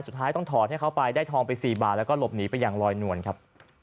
สุดท้ายต้องถอดให้เขาไปได้ทองไป๔บาทแล้วก็หลบหนีไปอย่างลอยนวลครับ